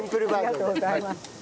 ありがとうございます。